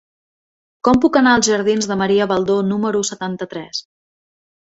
Com puc anar als jardins de Maria Baldó número setanta-tres?